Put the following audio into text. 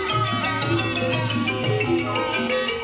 โอเคครับ